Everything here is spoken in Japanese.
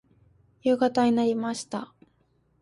夕方になりました。